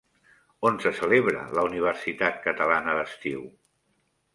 On se celebra la Universitat Catalana d'Estiu?